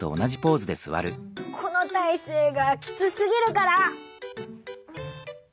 このたいせいがきつすぎるから！